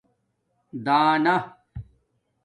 دانہ